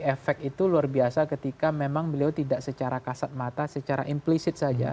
efek itu luar biasa ketika memang beliau tidak secara kasat mata secara implisit saja